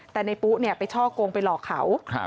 แต่ในปุ๊ปเนี่ยไฟช่อกงไปหลอกเขา